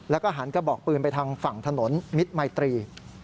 แล้วก็หันกระบอกปืนไปทางฝั่งถนนมิตรมัยตรี